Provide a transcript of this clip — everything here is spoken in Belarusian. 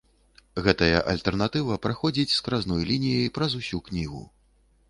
Гэтая альтэрнатыва праходзіць скразной лініяй праз усю кнігу.